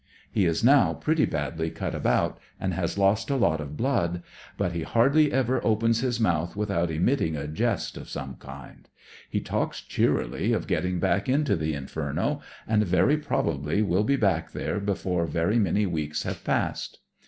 He is now pretty badly cut about, and has lost a lot of blood. But he hardly ever opens his mouth without emitting a jest of some kind; he talks cheerily of getting back into the inferno, and very probably wiU be back there before very many weeks have passed.